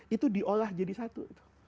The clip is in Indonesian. itu diolah jadi satu